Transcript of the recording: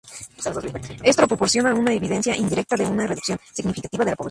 Esto proporciona una evidencia indirecta de una reducción significativa de la población.